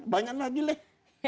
banyak lagi lek